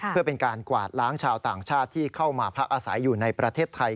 เพื่อเป็นการกวาดล้างชาวต่างชาติที่เข้ามาพักอาศัยอยู่ในประเทศไทย